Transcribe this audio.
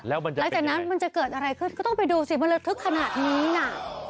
แล้วหลังจากนั้นมันจะเกิดอะไรขึ้นก็ต้องไปดูสิมันระทึกขนาดนี้น่ะ